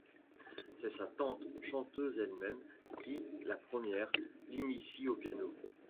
C'est sa tante, chanteuse elle-même, qui, la première, l'initie au piano.